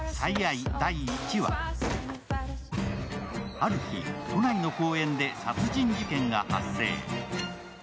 ある日、都内の公園で殺人事件が発生。